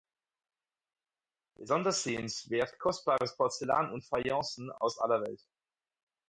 Besonders sehenswert: kostbares Porzellan und Fayencen aus aller Welt.